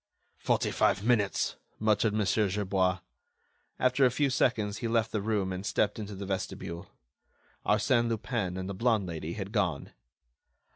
"Forty five minutes," muttered Mon. Gerbois. After a few seconds, he left the room and stepped into the vestibule. Arsène Lupin and the blonde lady had gone.